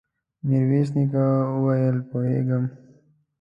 ميرويس نيکه وويل: پوهېږم.